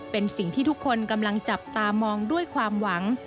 เป็นสิ่งที่ทุกคนกำลังจับตามองด้วยความหวัง